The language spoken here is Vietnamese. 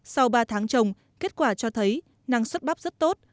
sau ba tháng trồng kết quả cho thấy năng suất bắp rất tốt